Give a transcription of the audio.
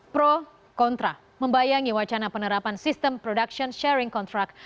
pro kontra membayangi wacana penerapan sistem production sharing contract